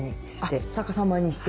あっ逆さまにして。